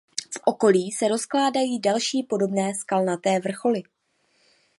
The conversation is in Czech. V okolí se rozkládají další podobné skalnaté vrcholy.